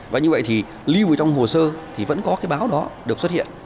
và như vậy thì lưu ở trong hồ sơ thì vẫn có cái báo đó được xuất hiện